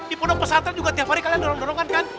di pondok pesantren juga tiap hari kalian dorong dorongan kan